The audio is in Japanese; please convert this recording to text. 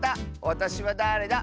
「わたしはだれだ？」